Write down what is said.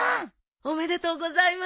おめでとうございます。